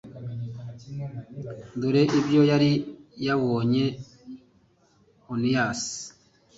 dore ibyo yari yabonye: oniyasi